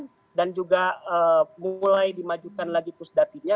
tidak perlu juga mulai dimajukan lagi pusdatinya